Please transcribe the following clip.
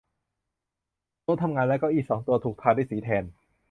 โต๊ะทำงานและเก้าอี้สองตัวถูกทาด้วยสีแทน